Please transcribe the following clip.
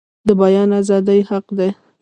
د بیان ازادي حق دی